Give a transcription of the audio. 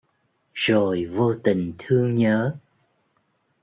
Rồi vô tình thương nhớ